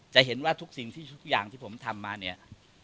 จะเห็นว่าทุกสิ่งที่ทุกอย่างที่ผมทำมาเนี่ย